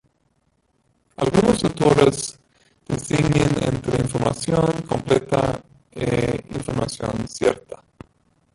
Algunos autores distinguen entre información completa e información "cierta".